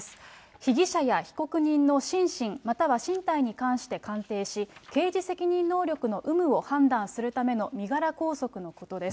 被疑者や被告人の心神または身体に関して鑑定し、刑事責任能力の有無を判断するための身柄拘束のことです。